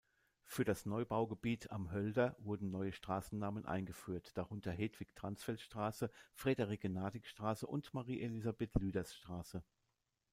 Für das Neubaugebiet „Am Hölder“ wurden neue Straßennamen eingeführt, darunter "Hedwig-Dransfeld-Straße", "Friederike-Nadig-Straße" und "Marie-Elisabeth-Lüders-Straße".